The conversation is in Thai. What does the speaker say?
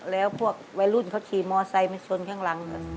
แล้วพวกวัยรุ่นเขาขี่มอไซค์มาชนข้างหลัง